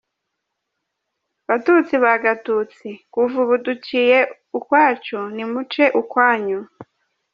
Batutsi ba Gatutsi, kuva ubu duciye ukwacu, nimuce ukwanyu.